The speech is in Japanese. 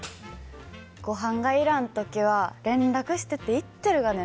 ご飯がいらん時は連絡してって言ってるがね！